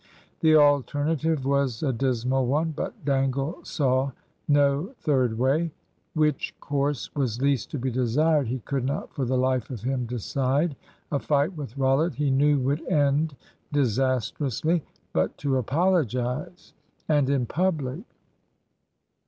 The alternative was a dismal one, but Dangle saw no third way. Which course was least to be desired he could not for the life of him decide. A fight with Rollitt he knew would end disastrously. But to apologise and in public!